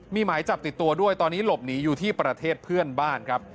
มีหมายจับติดตัวด้วยตอนนี้หลบหนีอยู่ที่ประเทศเพื่อนบ้านครับ